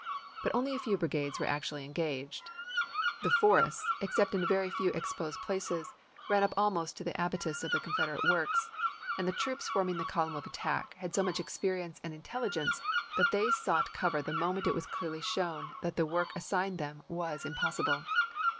But only a few brigades were p.°344. actually engaged ; the forests, except in a very few exposed places, ran up almost to the abatis of the Confederate works, and the troops forming the col umn of attack had so much experience and intelli gence that they sought cover the moment it was clearly shown that the work assigned them was impossible.